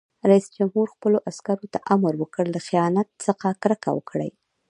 رئیس جمهور خپلو عسکرو ته امر وکړ؛ له خیانت څخه کرکه وکړئ!